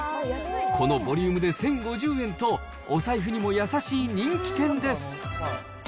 このボリュームで１０５０円と、お財布にも優しい人気店です。